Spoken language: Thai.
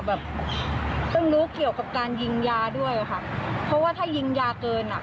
แบบต้องรู้เกี่ยวกับการยิงยาด้วยค่ะเพราะว่าถ้ายิงยาเกินอ่ะ